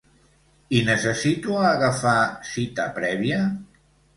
I necessito agafar cita prèvia?